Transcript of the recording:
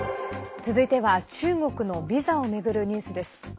続いては中国のビザを巡るニュースです。